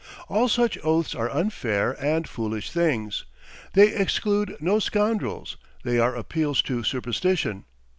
All such oaths are unfair and foolish things. They exclude no scoundrels; they are appeals to superstition.